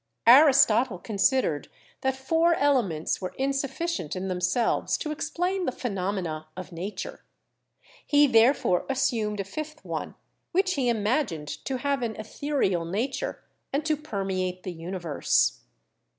Aristotle considered that four elements were in sufficient in themselves to explain the phenomena of Nature; he therefore assumed a fifth one, which he imag ANCIENT CHEMICAL KNOWLEDGE 13 ined to have an ethereal nature and to permeate the uni verse.